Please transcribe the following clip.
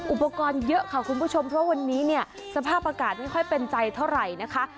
อุปกรณ์เยอะค่ะคุณผู้ชมเพราะวันนี้เนี่ยสภาพอากาศไม่ค่อยเป็นใจเท่าไหร่นะคะ